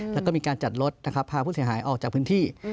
แล้วก็มีการจัดรถนะครับพาผู้เสียหายออกจากพื้นที่